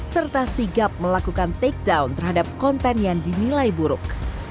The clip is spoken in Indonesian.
serta sigap melakukan takedown terhadap konten yang dinilai buruk